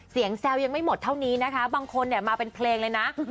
เสียงแซลยังไม่หมดเท่านี้นะคะบางคนได้มาเป็นเพลงเลยนะ